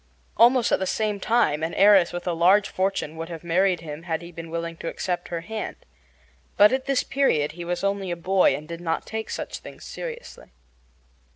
Almost at the same time an heiress with a large fortune would have married him had he been willing to accept her hand. But at this period he was only a boy and did not take such things seriously.